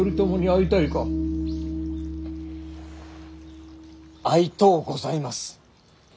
会いとうございます。